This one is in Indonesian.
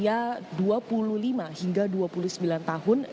jadi ini adalah pengalaman yang sangat menarik dari kementerian kesehatan